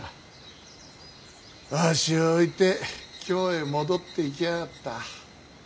あわしを置いて京へ戻っていきやがった。